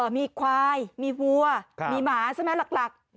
มีควายมีวัวมีหมาใช่ไหมหลัก